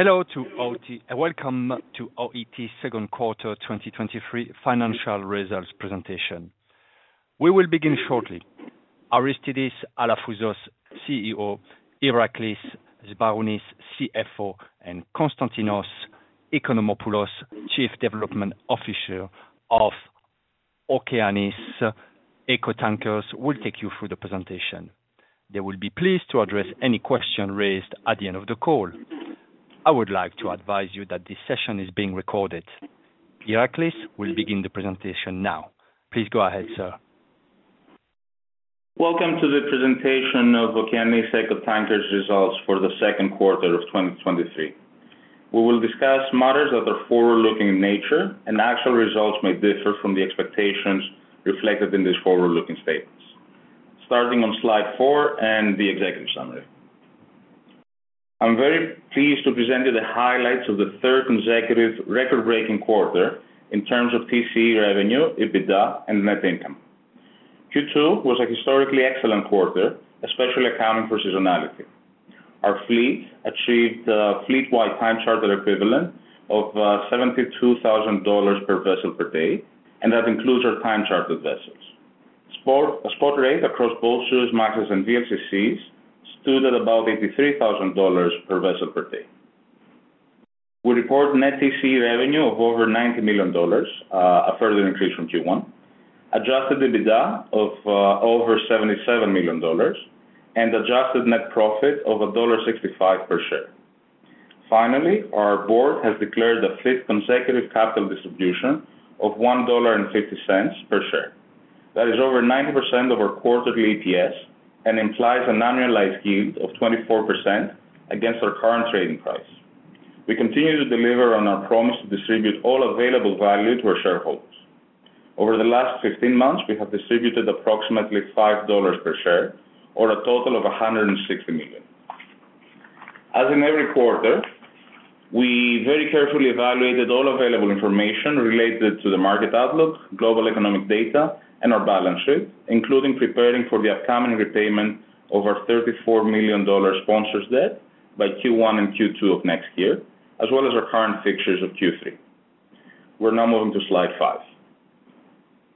Hello and welcome to OET second quarter 2023 financial results presentation. We will begin shortly. Aristidis Alafouzos, CEO, Iraklis Sbarounis, CFO, and Konstantinos Oikonomopoulos, Chief Development Officer of Okeanis Eco Tankers, will take you through the presentation. They will be pleased to address any question raised at the end of the call. I would like to advise you that this session is being recorded. Iraklis will begin the presentation now. Please go ahead, sir. Welcome to the presentation of Okeanis Eco Tankers results for the second quarter of 2023. We will discuss matters that are forward-looking in nature, and actual results may differ from the expectations reflected in these forward-looking statements. Starting on slide four and the executive summary. I'm very pleased to present you the highlights of the third consecutive record-breaking quarter in terms of TCE revenue, EBITDA, and net income. Q2 was a historically excellent quarter, especially accounting for seasonality. Our fleet achieved, fleet-wide time charter equivalent of $72,000 per vessel per day, and that includes our time charter vessels. Spot rate across both Suezmax and VLCCs stood at about $83,000 per vessel per day. We report net TCE revenue of over $90 million, a further increase from Q1. Adjusted EBITDA of over $77 million, and adjusted net profit of $1.65 per share. Finally, our board has declared a fifth consecutive capital distribution of $1.50 per share. That is over 90% of our quarterly APS and implies an annualized yield of 24% against our current trading price. We continue to deliver on our promise to distribute all available value to our shareholders. Over the last 15 months, we have distributed approximately $5 per share or a total of $160 million. As in every quarter, we very carefully evaluated all available information related to the market outlook, global economic data, and our balance sheet, including preparing for the upcoming repayment of our $34 million sponsor debt by Q1 and Q2 of next year, as well as our current fixtures of Q3. We're now moving to slide five.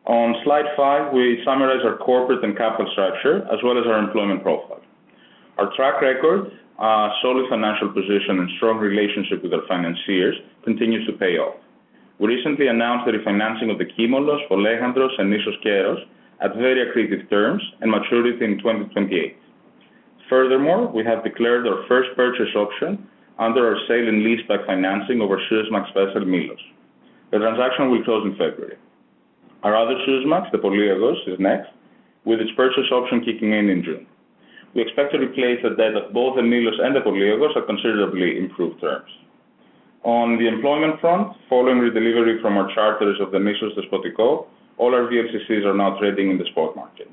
On slide five, we summarize our corporate and capital structure, as well as our employment profile. Our track record, solid financial position, and strong relationship with our financiers continues to pay off. We recently announced the refinancing of the Kimolos, Folegandros, and Nissos Keros at very accretive terms and maturity in 2028. Furthermore, we have declared our first purchase option under our sale and leaseback financing over Suezmax vessel, Milos. The transaction will close in February. Our other Suezmax, the Poliegos, is next, with its purchase option kicking in, in June. We expect to replace the debt of both the Milos and the Poliegos at considerably improved terms. On the employment front, following redelivery from our charters of the Nissos Despotiko, all our VLCCs are now trading in the spot market.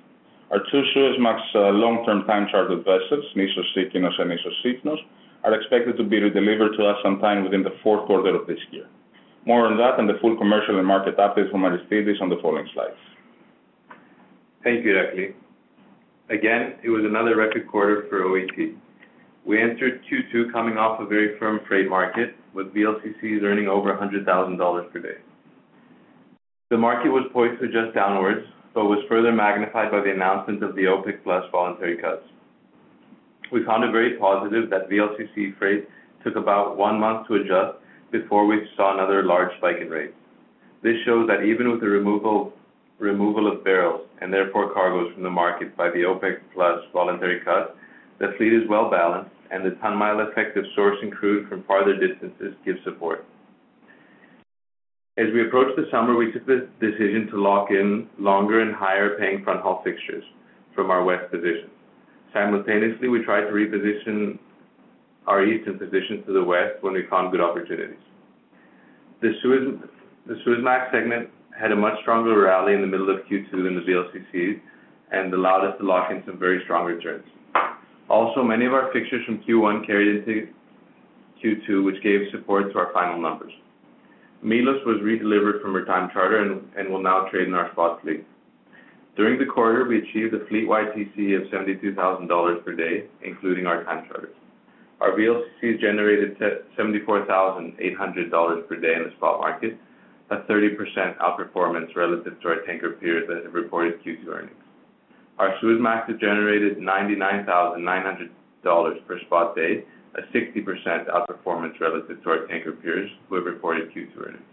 Our two Suezmax, long-term time chartered vessels, Nissos Sikinos and Nissos Sifnos, are expected to be redelivered to us sometime within the fourth quarter of this year. More on that and the full commercial and market updates from Aristidis on the following slides. Thank you, Iraklis. Again, it was another record quarter for OET. We entered Q2 coming off a very firm freight market, with VLCCs earning over $100,000 per day. The market was poised to adjust downwards, but was further magnified by the announcement of the OPEC+ voluntary cuts. We found it very positive that VLCC freight took about one month to adjust before we saw another large spike in rates. This shows that even with the removal, removal of barrels and therefore cargoes from the market by the OPEC+ voluntary cuts, the fleet is well-balanced, and the ton-mile effect of sourcing crude from farther distances gives support. As we approach the summer, we took the decision to lock in longer and higher paying front haul fixtures from our West position. Simultaneously, we tried to reposition our Eastern position to the West when we found good opportunities. The Suezmax segment had a much stronger rally in the middle of Q2 than the VLCC, and allowed us to lock in some very strong returns. Also, many of our fixtures from Q1 carried into Q2, which gave support to our final numbers. Milos was redelivered from her time charter and will now trade in our spot fleet. During the quarter, we achieved a fleet-wide TCE of $72,000 per day, including our time charters. Our VLCC generated $74,800 per day in the spot market, a 30% outperformance relative to our tanker peers that have reported Q2 earnings. Our Suezmax has generated $99,900 per spot day, a 60% outperformance relative to our tanker peers who have reported Q2 earnings.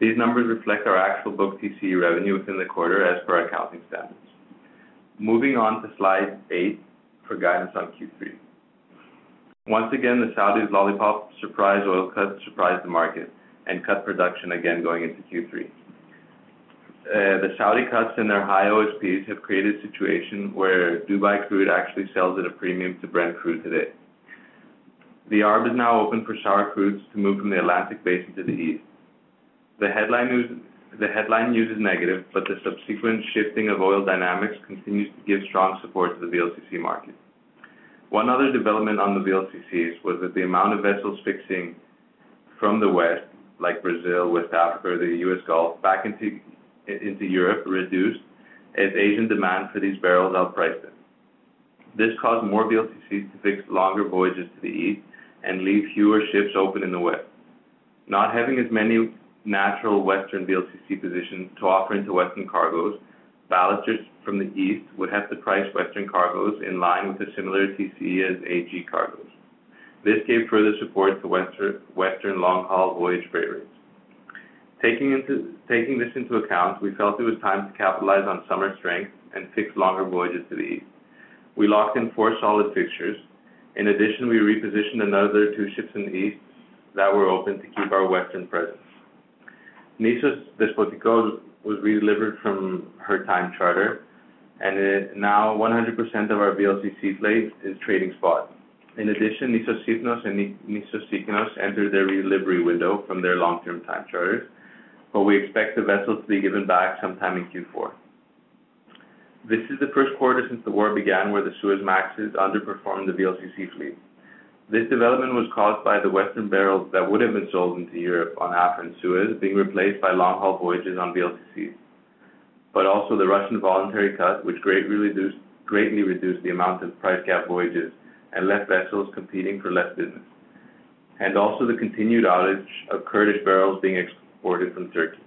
These numbers reflect our actual book TCE revenue within the quarter as per our accounting standards. Moving on to slide eight for guidance on Q3. Once again, the Saudi lollipop surprise oil cuts surprised the market and cut production again going into Q3. The Saudi cuts and their high OSPs have created a situation where Dubai Crude actually sells at a premium to Brent Crude today. The arb is now open for sharp crudes to move from the Atlantic Basin to the East. The headline news is negative, but the subsequent shifting of oil dynamics continues to give strong support to the VLCC market. One other development on the VLCCs was that the amount of vessels fixing from the West, like Brazil, West Africa, or the U.S. Gulf, back into Europe reduced as Asian demand for these barrels outpriced them. This caused more VLCC to fix longer voyages to the East and leave fewer ships open in the West. Not having as many natural Western VLCC positions to offer into Western cargoes, ballasters from the east would have to price Western cargoes in line with the similar TCE as AG cargoes. This gave further support to Western long-haul voyage freight rates. Taking this into account, we felt it was time to capitalize on summer strength and fix longer voyages to the East. We locked in four solid fixtures. In addition, we repositioned another two ships in the East that were open to keep our western presence. Nissos Despotiko was redelivered from her time charter, and it now 100% of our VLCC fleet is trading spot. In addition, Nissos Sifnos and Nissos Sikinos entered their delivery window from their long-term time charters, but we expect the vessels to be given back sometime in Q4. This is the first quarter since the war began, where the Suezmaxes underperformed the VLCC fleet. This development was caused by the western barrels that would have been sold into Europe on Afra and Suez being replaced by long-haul voyages on VLCCs, but also the Russian voluntary cut, which greatly reduced the amount of price cap voyages and left vessels competing for less business, and also the continued outage of Kurdish barrels being exported from Turkey.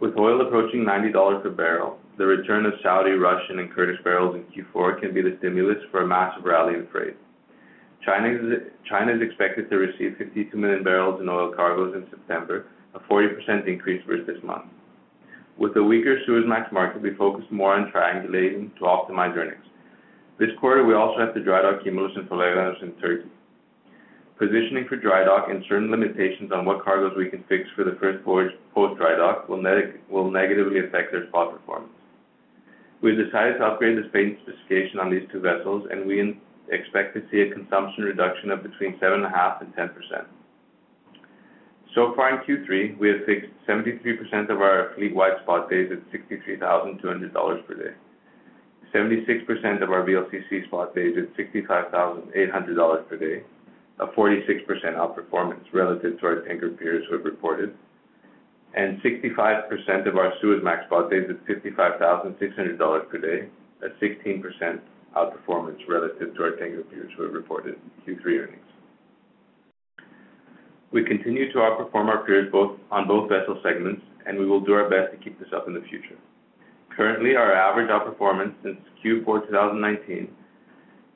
With oil approaching $90 per barrel, the return of Saudi, Russian, and Kurdish barrels in Q4 can be the stimulus for a massive rally in freight. China is expected to receive 52 million barrels in oil cargoes in September, a 40% increase versus this month. With the weaker Suezmax market, we focused more on triangulating to optimize earnings. This quarter, we also have the dry dock Kimolos and Folegandros in Turkey. Positioning for dry dock and certain limitations on what cargoes we can fix for the first voyage post dry dock will negatively affect their spot performance. We decided to upgrade the Spain specification on these two vessels. We expect to see a consumption reduction of between 7.5% and 10%. So far in Q3, we have fixed 73% of our fleet-wide spot days at $63,200 per day. 76% of our VLCC spot days at $65,800 per day, a 46% outperformance relative to our tanker peers who have reported. 65% of our Suezmax spot days at $55,600 per day, a 16% outperformance relative to our tanker peers who have reported Q3 earnings. We continue to outperform our peers on both vessel segments, and we will do our best to keep this up in the future. Currently, our average outperformance since Q4, 2019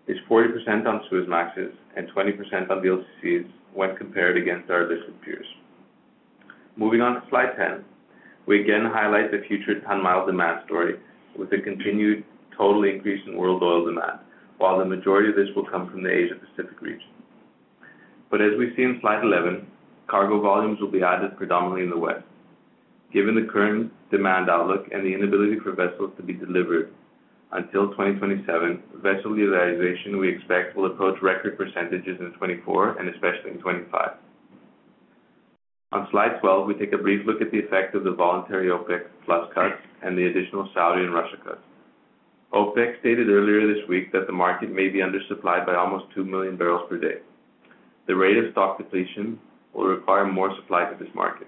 is 40% on Suezmaxes and 20% on VLCCs when compared against our listed peers. Moving on to slide 10. We again highlight the future ton-mile demand story with a continued total increase in world oil demand, while the majority of this will come from the Asia-Pacific region. As we see in slide 11, cargo volumes will be added predominantly in the West. Given the current demand outlook and the inability for vessels to be delivered until 2027, vessel utilization, we expect, will approach record percentages in 2024 and especially in 2025. On slide 12, we take a brief look at the effect of the voluntary OPEC+ cuts and the additional Saudi and Russia cuts. OPEC stated earlier this week that the market may be undersupplied by almost 2 million barrels per day. The rate of stock depletion will require more supply to this market.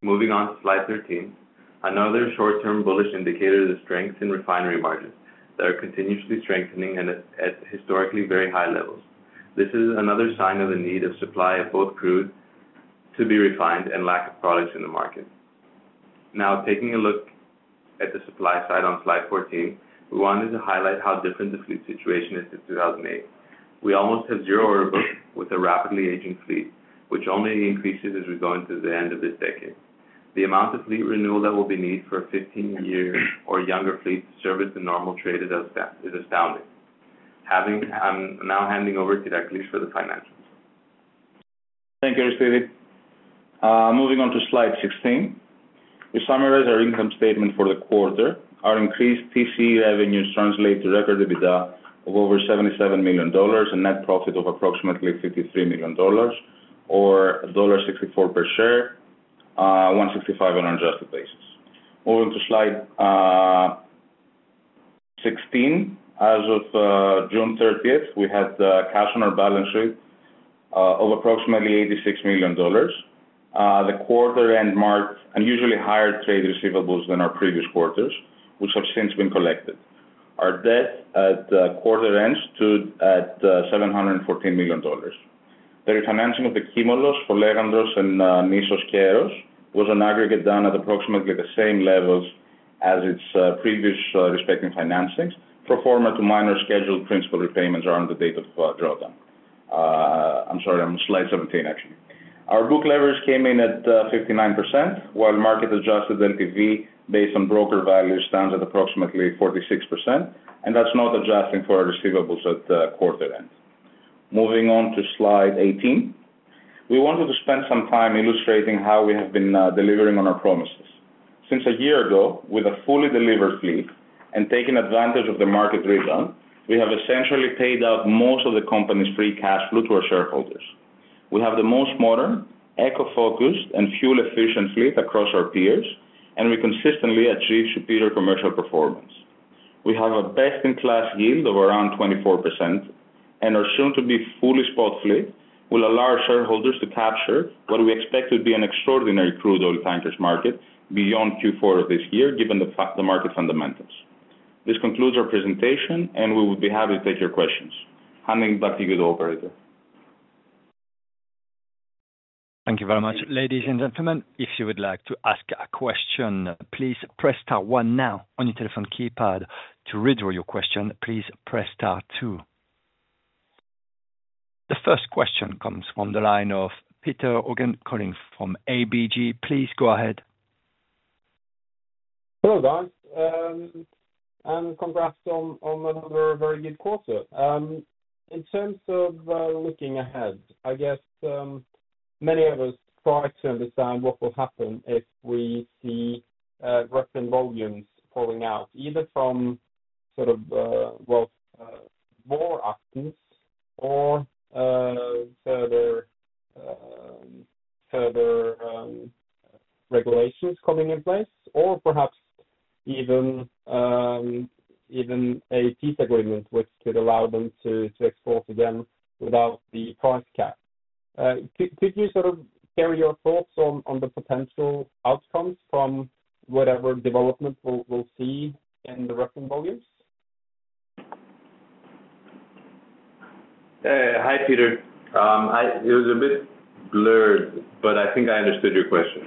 Moving on to slide 13. Another short-term bullish indicator is the strength in refinery margins that are continuously strengthening and at, at historically very high levels. This is another sign of the need of supply of both crude to be refined and lack of products in the market. Now, taking a look at the supply side on slide 14, we wanted to highlight how different the fleet situation is in 2008. We almost have zero order book with a rapidly aging fleet, which only increases as we go into the end of this decade. The amount of fleet renewal that will be needed for a 15-year or younger fleet to service the normal trade is astounding. I'm now handing over to Iraklis for the financials. Thank you, Aristidis. Moving on to slide 16. We summarize our income statement for the quarter. Our increased TCE revenues translate to record EBITDA of over $77 million and net profit of approximately $53 million or $1.64 per share, $1.65 on adjusted basis. Moving to slide 16. As of June 30th, we had cash on our balance sheet of approximately $86 million. The quarter end marked unusually higher trade receivables than our previous quarters, which have since been collected. Our debt at quarter end stood at $714 million. The refinancing of the Kimolos, Folegandros, and Nissos Keros was an aggregate done at approximately the same levels as its previous respective financings, pro forma to minor scheduled principal repayments are on the date of drawdown. I'm sorry, on slide 17, actually. Our book leverage came in at 59%, while market adjusted LTV, based on broker value, stands at approximately 46%. That's not adjusting for our receivables at quarter end. Moving on to slide 18. We wanted to spend some time illustrating how we have been delivering on our promises. Since a year ago, with a fully delivered fleet and taking advantage of the market rebound, we have essentially paid out most of the company's free cash flow to our shareholders. We have the most modern, eco-focused, and fuel-efficient fleet across our peers, and we consistently achieve superior commercial performance. We have a best in class yield of around 24%, and are soon to be fully spot fleet, will allow our shareholders to capture what we expect to be an extraordinary crude oil tankers market beyond Q4 of this year, given the fact, the market fundamentals. This concludes our presentation, and we will be happy to take your questions. Handing back to you, operator. Thank you very much. Ladies and gentlemen, if you would like to ask a question, please press star one now on your telephone keypad. To withdraw your question, please press star two. The first question comes from the line of Petter Haugen, calling from ABG. Please go ahead. Hello, guys, and congrats on, on another very good quarter. In terms of, looking ahead, I guess, many of us try to understand what will happen if we see Russian volumes falling out, either from sort of, well, more actions or, further, further regulations coming in place, or perhaps even, even a peace agreement, which could allow them to, to export again without the price cap. Could, could you sort of share your thoughts on, on the potential outcomes from whatever development we'll, we'll see in the Russian volumes? Hi, Petter. It was a bit blurred, but I think I understood your question.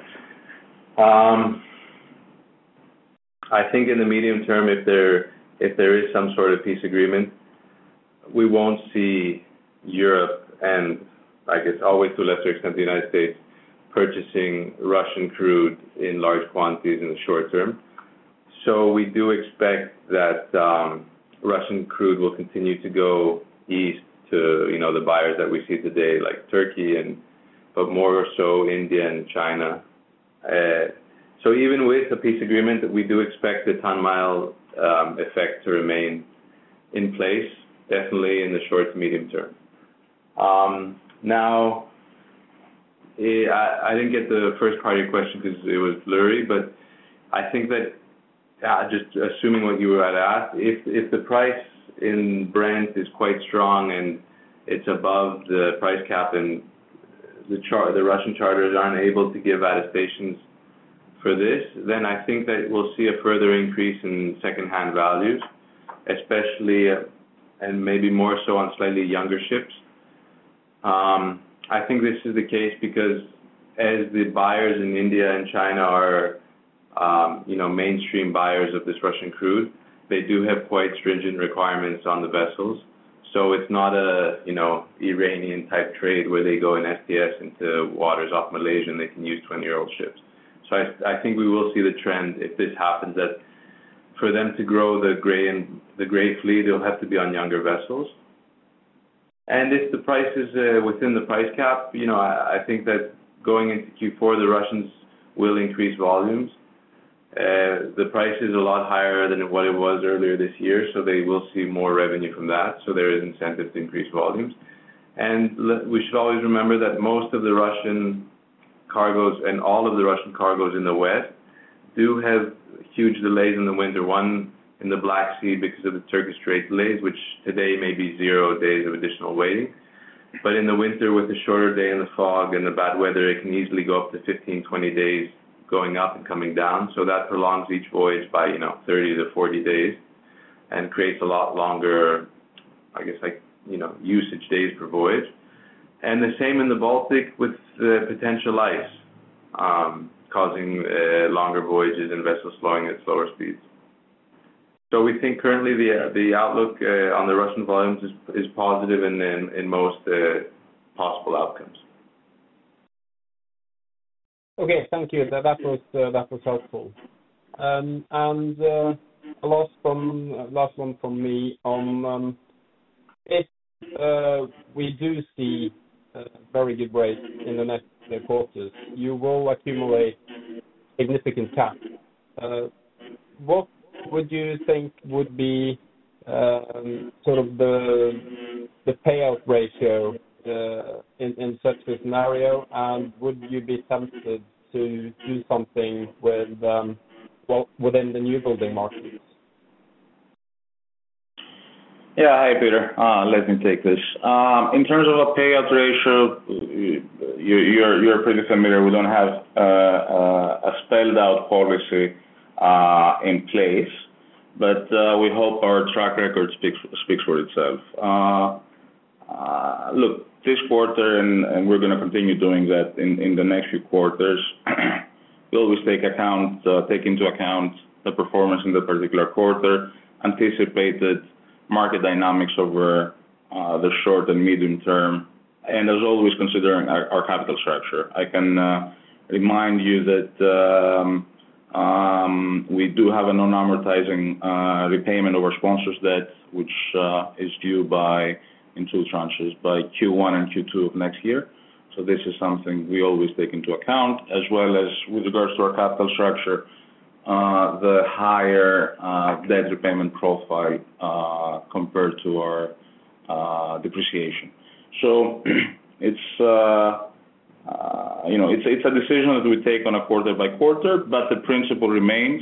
I think in the medium term, if there, if there is some sort of peace agreement, we won't see Europe and, I guess, always to a lesser extent, the United States, purchasing Russian crude in large quantities in the short term. We do expect that Russian crude will continue to go east to, you know, the buyers that we see today, like Turkey and, but more so India and China. Even with the peace agreement, we do expect the ton-mile effect to remain in place, definitely in the short to medium term. Now, I, I didn't get the first part of your question because it was blurry, but I think that, just assuming what you had asked, if, if the price in Brent is quite strong and it's above the price cap and the Russian charters aren't able to give adaptations for this, then I think that we'll see a further increase in secondhand values, especially, and maybe more so on slightly younger ships. I think this is the case because as the buyers in India and China are, you know, mainstream buyers of this Russian crude, they do have quite stringent requirements on the vessels. So it's not a, you know, Iranian-type trade where they go in STS into waters off Malaysia, they can use 20-year-old ships. I think we will see the trend if this happens, that for them to grow the gray fleet, they'll have to be on younger vessels. If the price is within the price cap, you know, I think that going into Q4, the Russians will increase volumes. The price is a lot higher than what it was earlier this year, so they will see more revenue from that, so there is incentive to increase volumes. We should always remember that most of the Russian cargos and all of the Russian cargos in the West, do have huge delays in the winter. One, in the Black Sea because of the Turkish trade delays, which today may be zero days of additional waiting. In the winter, with the shorter day and the fog and the bad weather, it can easily go up to 15, 20 days going up and coming down. That prolongs each voyage by, you know, 30 to 40 days and creates a lot longer, I guess, like, you know, usage days per voyage. The same in the Baltic with the potential ice, causing longer voyages and vessels slowing at slower speeds. We think currently the outlook on the Russian volumes is positive in most possible outcomes. Okay, thank you. That, that was, that was helpful. Last one, last one from me. If we do see a very good break in the next quarters, you will accumulate significant tax. What would you think would be sort of the, the payout ratio in, in such a scenario? Would you be tempted to do something with, well, within the new building markets? Yeah. Hi, Petter. Let me take this. In terms of a payout ratio, you, you're, you're pretty familiar. We don't have a spelled out policy in place, but we hope our track record speaks, speaks for itself. Look, this quarter, and we're gonna continue doing that in the next few quarters, we always take account, take into account the performance in the particular quarter, anticipated market dynamics over the short and medium term, and as always, considering our capital structure. I can remind you that we do have a non-amortizing repayment of our sponsor debt, which is due by, in two tranches, by Q1 and Q2 of next year. This is something we always take into account, as well as with regards to our capital structure, the higher, debt repayment profile, compared to our, depreciation. It's, you know, it's, it's a decision that we take on a quarter by quarter, but the principle remains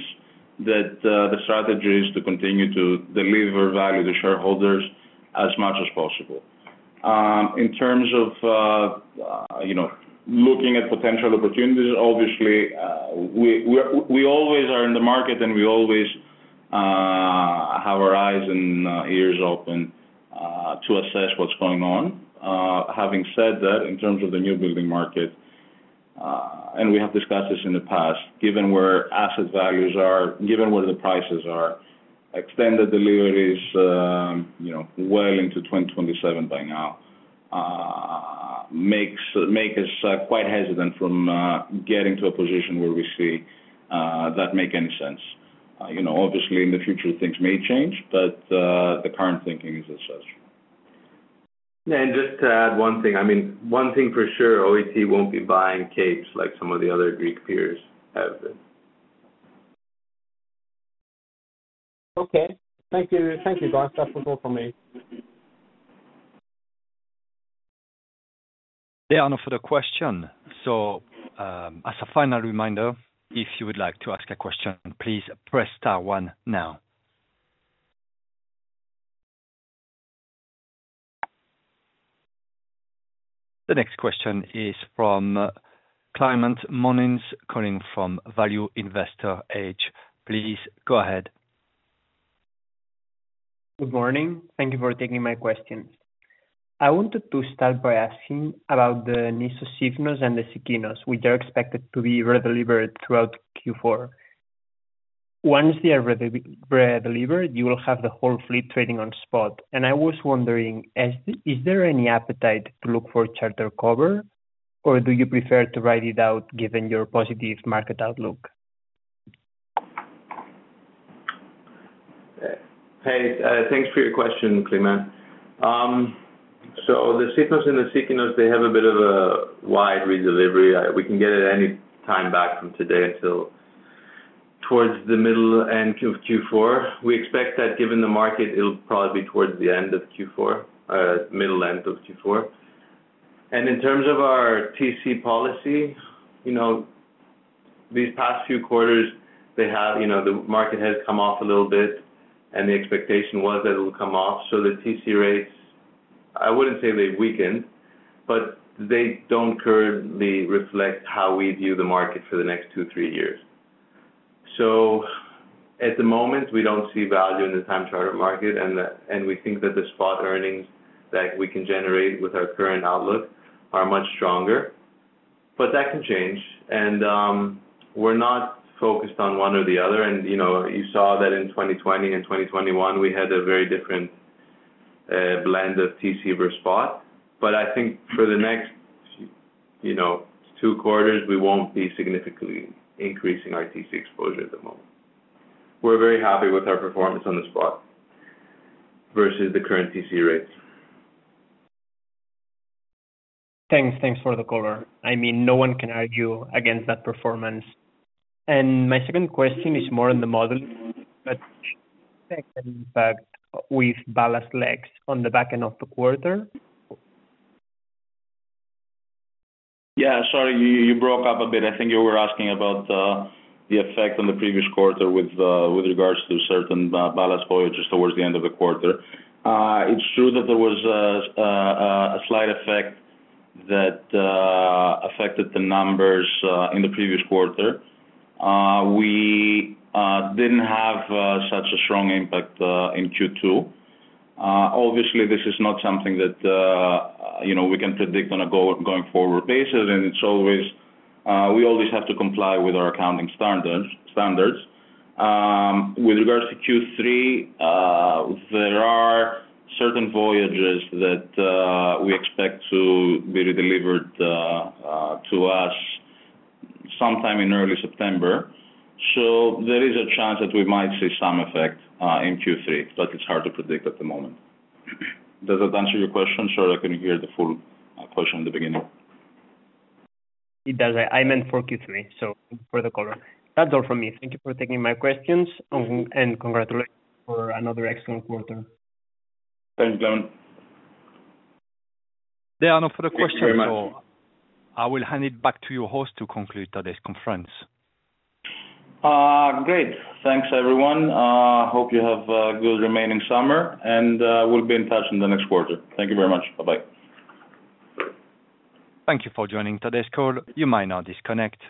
that the strategy is to continue to deliver value to shareholders as much as possible. In terms of, you know, looking at potential opportunities, obviously, we, we are- we always are in the market, and we always have our eyes and ears open to assess what's going on. Having said that, in terms of the newbuilding market, and we have discussed this in the past, given where asset values are, given where the prices are, extended deliveries, you know, well into 2027 by now, makes, make us quite hesitant from getting to a position where we see that make any sense. You know, obviously, in the future, things may change, but the current thinking is as such. Just to add one thing. I mean, one thing for sure, OET won't be buying Capes like some of the other Greek peers have been. Okay. Thank you, thank you, guys. That's all for me. There are no further question. As a final reminder, if you would like to ask a question, please press star one now. The next question is from Climent Molins, calling from Value Investor's Edge. Please go ahead. Good morning. Thank you for taking my questions. I wanted to start by asking about the Nissos Sifnos and the Sikinos, which are expected to be redelivered throughout Q4. Once they are redelivered, you will have the whole fleet trading on spot, and I was wondering, is there any appetite to look for charter cover, or do you prefer to ride it out given your positive market outlook? Hey, thanks for your question, Climent. So the Sifnos and the Sikinos, they have a bit of a wide redelivery. We can get it any time back from today until towards the middle end of Q4. We expect that given the market, it'll probably be towards the end of Q4, middle end of Q4. In terms of our TC policy, you know, these past few quarters, they have, you know, the market has come off a little bit, and the expectation was that it'll come off. The TCE rates, I wouldn't say they've weakened, but they don't currently reflect how we view the market for the next two, three years. At the moment, we don't see value in the time charter market, and we think that the spot earnings that we can generate with our current outlook are much stronger. That can change, and we're not focused on one or the other. You know, you saw that in 2020 and 2021, we had a very different blend of TC versus spot. I think for the next, you know, two quarters, we won't be significantly increasing our TC exposure at the moment. We're very happy with our performance on the spot versus the current TCE rates. Thanks. Thanks for the color. I mean, no one can argue against that performance. My second question is more on the model, but impact with ballast legs on the back end of the quarter. Yeah, sorry, you, you broke up a bit. I think you were asking about the effect on the previous quarter with regards to certain ballast voyages towards the end of the quarter. It's true that there was a slight effect that affected the numbers in the previous quarter. We didn't have such a strong impact in Q2. Obviously, this is not something that, you know, we can predict on a going forward basis, and it's always... We always have to comply with our accounting standards. With regards to Q3, there are certain voyages that we expect to be redelivered to us sometime in early September, so there is a chance that we might see some effect in Q3, but it's hard to predict at the moment. Does that answer your question? Sorry, I can't hear the full question at the beginning? It does. I meant for Q3, so for the quarter. That's all from me. Thank you for taking my questions, and congratulations for another excellent quarter. Thanks, Climent. There are no further questions. Thank you very much. I will hand it back to your host to conclude today's conference. Great. Thanks, everyone. Hope you have a good remaining summer, and we'll be in touch in the next quarter. Thank you very much. Bye-bye. Thank you for joining today's call. You may now disconnect.